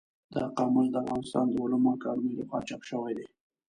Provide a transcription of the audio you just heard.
دا قاموس د افغانستان د علومو اکاډمۍ له خوا چاپ شوی دی.